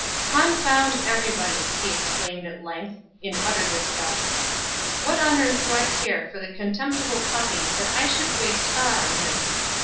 "Confound everybody!" he exclaimed at length, in utter disgust. "What on earth do I care for the contemptible puppy, that I should waste thought on him.